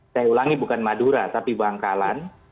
saya ulangi bukan madura tapi bangkalan